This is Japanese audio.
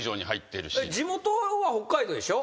地元は北海道でしょ？